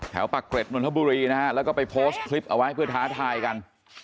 ปากเกร็ดนนทบุรีนะฮะแล้วก็ไปโพสต์คลิปเอาไว้เพื่อท้าทายกัน